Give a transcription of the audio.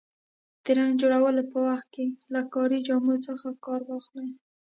د رنګ جوړولو په وخت کې له کاري جامو څخه کار واخلئ.